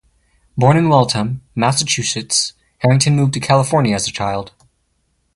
Born in Waltham, Massachusetts, Harrington moved to California as a child.